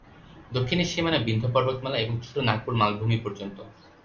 দক্ষিণের সীমানা বিন্ধ্য পর্বতমালা এবং ছোট নাগপুর মালভূমি পর্যন্ত।